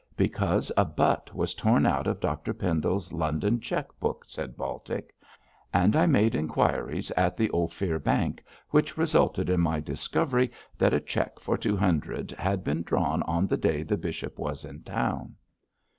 'Because a butt was torn out of Dr Pendle's London cheque book,' said Baltic, 'and I made inquiries at the Ophir Bank, which resulted in my discovery that a cheque for two hundred had been drawn on the day the bishop was in town.'